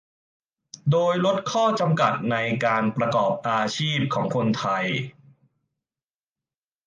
โดยลดข้อจำกัดในการประกอบอาชีพของคนไทย